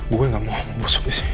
gue gak mau membosok disini